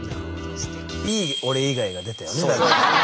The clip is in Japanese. いい「俺以外」が出たよねだから。